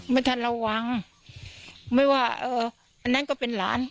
ไม่ทันระวังไม่ว่าเอออันนั้นก็เป็นหลาน